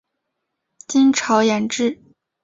金朝沿置。